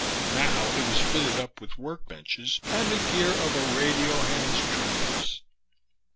Now it was fitted up with workbenches and the gear of a radio ham's dreams.